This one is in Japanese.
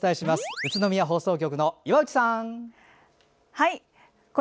宇都宮放送局の岩内さん。